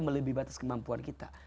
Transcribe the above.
melebih batas kemampuan kita